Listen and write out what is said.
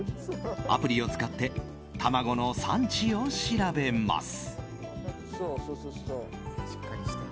アプリを使って卵の産地を調べます。